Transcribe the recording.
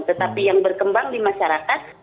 tetapi yang berkembang di masyarakat